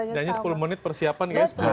nyanyi sepuluh menit persiapan guys